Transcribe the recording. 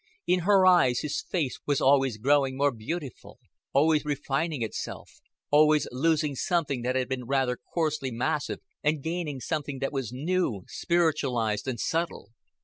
In her eyes his face was always growing more beautiful, always refining itself, always losing something that had been rather coarsely massive and gaining something that was new, spiritualized, and subtle.